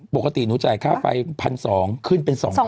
ปกติหนูจ่ายค่าไฟพันสองขึ้นเป็นสองพัน